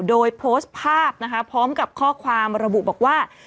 โดยโพสต์ภาพนะคะพร้อมกับข้อความระบุบอกว่า